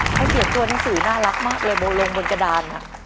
เขาเขียนตัวหนังสือน่ารักมากเลยลงบนกระดาน